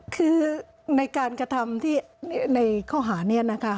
คือในการกระทำที่ในข้อหานี้นะคะ